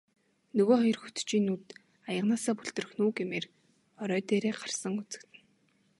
Нөгөө хоёр хөтчийн нүд аяганаасаа бүлтрэх нь үү гэмээр орой дээрээ гарсан үзэгдэнэ.